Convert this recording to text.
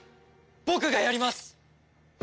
僕がやります！